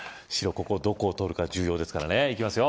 ここどこを取るか重要ですからねいきますよ